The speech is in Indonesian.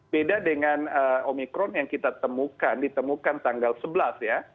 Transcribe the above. beda dengan omikron yang kita temukan ditemukan tanggal sebelas ya